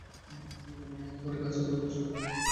নমুনা হতে পারে গাছের বাকল, শাখা, ফুল বা ফল সবকিছুই।